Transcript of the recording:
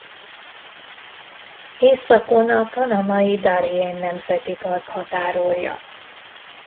Északon a panamai Darién Nemzeti Park határolja.